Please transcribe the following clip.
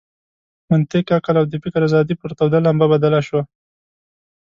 منطق، عقل او د فکر آزادي پر توده لمبه بدله شوه.